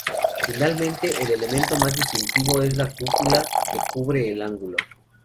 Finalmente, el elemento más distintivo es la cúpula que cubre el ángulo.